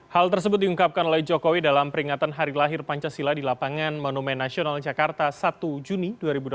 hal tersebut diungkapkan oleh jokowi dalam peringatan hari lahir pancasila di lapangan monumen nasional jakarta satu juni dua ribu delapan belas